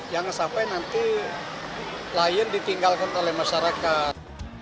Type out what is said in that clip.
jangan sampai nanti lion ditinggalkan oleh masyarakat